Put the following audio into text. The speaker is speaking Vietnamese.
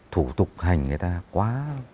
thủ tục hành người ta quá